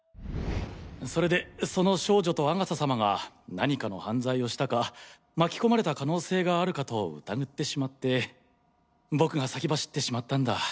それでその少女と阿笠様が何かの犯罪をしたか巻き込まれた可能性があるかと疑ってしまって僕が先走ってしまったんだ。